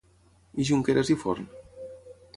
I Junqueras i Forn?